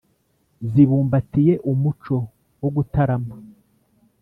zibumbatiye umuco wo gutarama